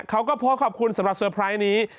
เขาก็โพสต์ขอบคุณสำหรับเตอร์ไพรส์นี้